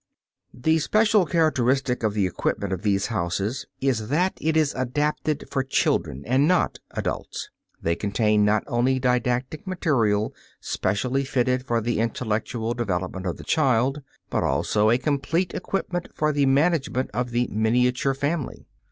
The special characteristic of the equipment of these houses is that it is adapted for children and not adults. They contain not only didactic material specially fitted for the intellectual development of the child, but also a complete equipment for the management of the miniature family.